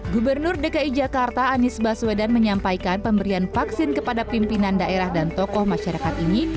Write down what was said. gubernur dki jakarta anies baswedan menyampaikan pemberian vaksin kepada pimpinan daerah dan tokoh masyarakat ini